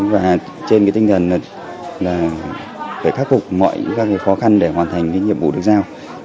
và trên tinh thần phải khắc phục mọi khó khăn để hoàn thành nhiệm vụ được giao